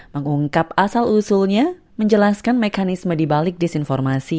mengungkap asal usulnya menjelaskan mekanisme dibalik disinformasi